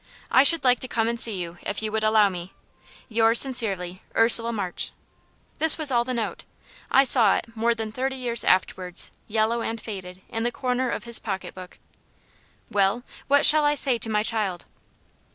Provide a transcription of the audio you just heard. I should like to come and see you if you would allow me. "Yours sincerely, "URSULA MARCH." This was all the note. I saw it, more than thirty years afterwards, yellow and faded, in the corner of his pocket book. "Well, what shall I say to my child?"